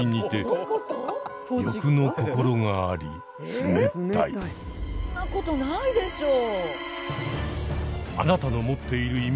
そんなことないでしょう！